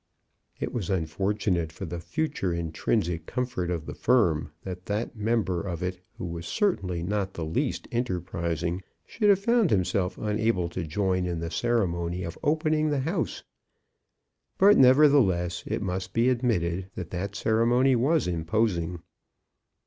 It was unfortunate for the future intrinsic comfort of the firm that that member of it who was certainly not the least enterprising should have found himself unable to join in the ceremony of opening the house; but, nevertheless, it must be admitted that that ceremony was imposing.